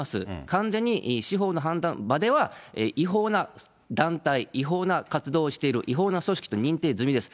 完全に司法の判断、場では、違法な団体、違法な活動をしている、違法な組織と認定済みです。